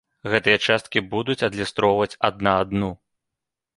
Гэтыя часткі будуць адлюстроўваць адна адну.